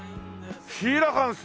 「シーラカンス」！